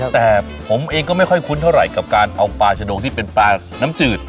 แต่ผมเองก็ไม่ค่อยคุ้นเท่าไหร่กับการเอาปลาชะโดงที่เป็นปลาน้ำจืด